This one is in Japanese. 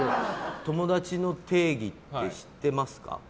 友達の定義って知ってますか？